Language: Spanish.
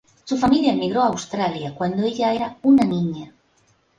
Su familia emigró a Australia cuando ella era un niña.